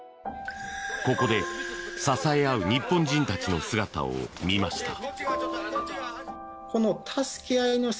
ここで支え合う日本人たちの姿を見ました。